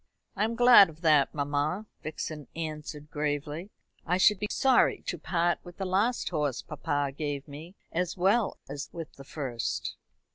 "I am glad of that, mamma," Vixen answered gravely. "I should be sorry to part with the last horse papa gave me as well as with the first."